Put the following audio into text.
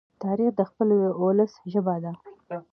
تاریخ د خپل ولس ژبه ده.